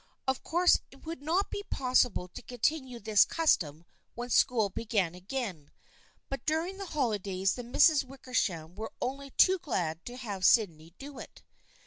Of course it would not be possible to continue this custom when school began again, but during the holidays the Misses Wickersham were only too glad to have Sydney do it.